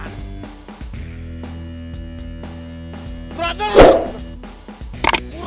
aduh hampura eh hampura